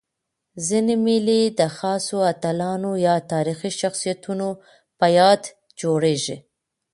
ځيني مېلې د خاصو اتلانو یا تاریخي شخصیتونو په یاد جوړيږي.